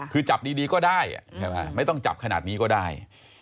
คือจับดีก็ได้ใช่ไหมไม่ต้องจับขนาดนี้ก็ได้